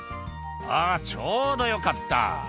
あちょうどよかった」